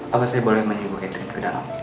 apa saya boleh menunggu katrin ke dalam